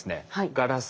ガラス